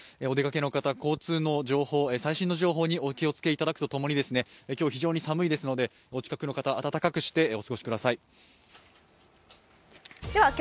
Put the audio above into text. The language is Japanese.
お出かけの方、交通の最新の情報にお気をつけいただくとともに今日、非常に寒いですのでお近くの方暖かくしてお過ごしください。